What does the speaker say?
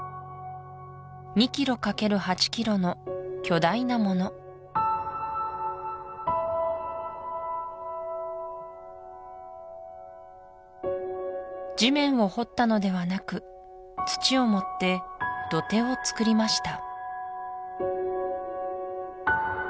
２ｋｍ×８ｋｍの巨大なもの地面を掘ったのではなく土を盛って土手をつくりました